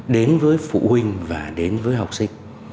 đến với phụ huynh và đến với học sinh